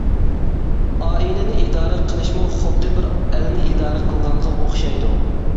ئائىلىنى ئىدارە قىلىشمۇ خۇددى بىر ئەلنى ئىدارە قىلغانغا ئوخشايدۇ.